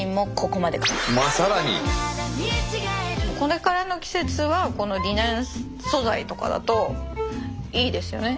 これからの季節はこのリネン素材とかだといいですよね。